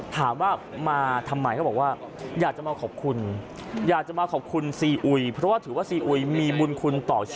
ถามว่ามาทำไมเขาบอกว่าอยากจะมาขอบคุณ